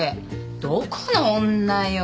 どこの女よ？